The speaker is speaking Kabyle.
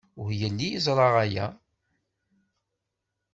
Ur yelli yeẓra aya.